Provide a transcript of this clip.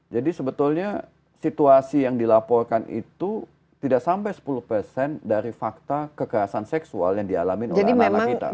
jadi sebetulnya situasi yang dilaporkan itu tidak sampai sepuluh dari fakta kekerasan seksual yang dialami oleh anak anak kita